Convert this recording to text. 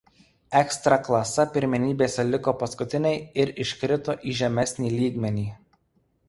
Ekstraklasa pirmenybėse liko paskutiniai ir iškrito į žemesnį lygmenį.